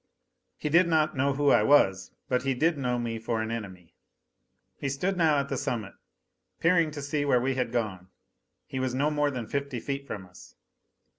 He did not know who I was, but he did know me for an enemy. He stood now at the summit, peering to see where we had gone. He was no more than fifty feet from us.